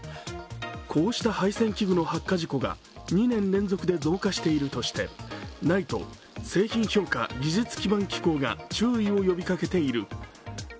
こうした配線器具の発火事故が２年連続で増加しているとしてＮＩＴＥ＝製品評価技術基盤機構が注意を呼びかけている。